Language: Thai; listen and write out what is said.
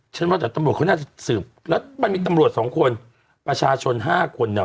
ว่าแต่ตำรวจเขาน่าจะสืบแล้วมันมีตำรวจสองคนประชาชนห้าคนอ่ะ